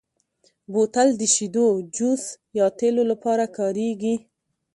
بوتل د شیدو، جوس، یا تېلو لپاره کارېږي.